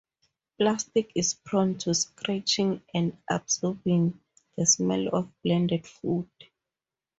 Plastic is prone to scratching and absorbing the smell of blended food.